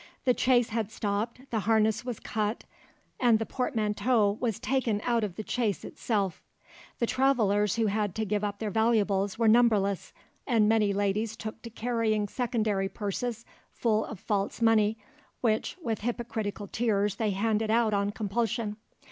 The chaise had stopped, the harness was cut, and the portmanteau was taken out of the chaise itself." The travellers who had to give up their valuables were numberless, and many ladies took to carrying secondary purses full of false money, which, with hypocritical tears they handed out on compulsion.